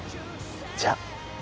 じゃあ。